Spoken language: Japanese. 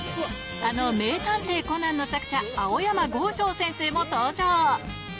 あの名探偵コナンの作者、青山剛昌先生も登場。